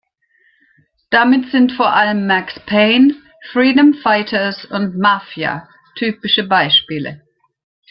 Damit sind vor allem Max Payne, Freedom Fighters und Mafia typische Beispiele.